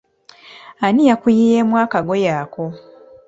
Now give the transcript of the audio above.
Ani yakuyiyeemu akagoye ako?